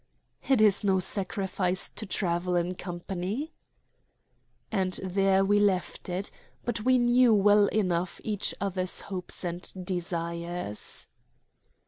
"It is no sacrifice to travel in company." And there we left it; but we knew well enough each other's hopes and desires.